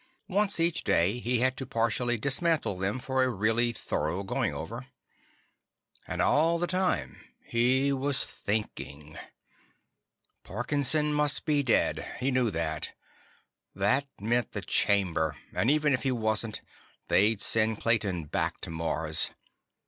Once every day, he had to partially dismantle them for a really thorough going over. And all the time, he was thinking. Parkinson must be dead; he knew that. That meant the Chamber. And even if he wasn't, they'd send Clayton back to Mars.